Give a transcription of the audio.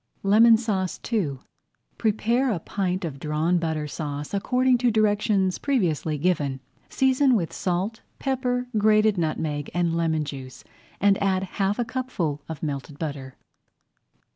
LEMON SAUCE II Prepare a pint of Drawn Butter Sauce according to directions previously given, season with salt, pepper, grated nutmeg, and lemon juice, and add half a cupful of melted butter.